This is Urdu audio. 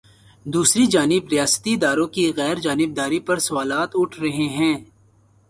دوسری طرف ریاستی اداروں کی غیر جانب داری پر سوالات اٹھ رہے ہیں۔